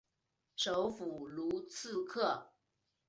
首府卢茨克。